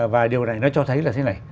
và điều này nó cho thấy là thế này